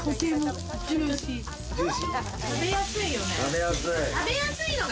食べやすい。